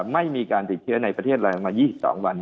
ไม่มีการติดเชื้อในประเทศเรามา๒๒วัน